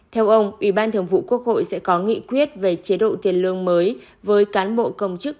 theo ông ủy ban thường vụ quốc hội sẽ có nghị quyết về chế độ tiền lương mới với cán bộ công chức